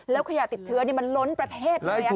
แล้วขยะติดเชื้อมันล้นประเทศเลย